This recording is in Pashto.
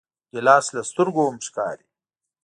ګیلاس له سترګو هم ښکاري.